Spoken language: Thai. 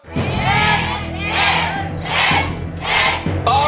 เล่นเล่นเล่นเล่น